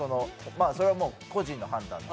それは、もう個人の判断です。